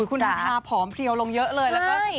คุณธาผอมเพียวลงเยอะเลยแล้วก็ใช่